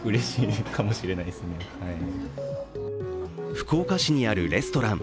福岡市にあるレストラン。